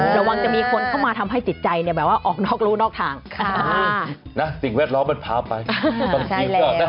ระวังจะมีคนเข้ามาทำให้จิตใจเนี่ยแบบว่าออกนอกรูนอกทางสิ่งแวดล้อมมันพาไปนะ